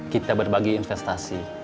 kita berbagi investasi